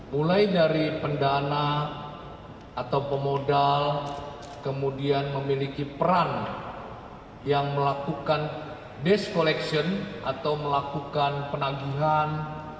mulai dari pendana atau pemodal kemudian memiliki peran yang melakukan desk collection atau melakukan penagihan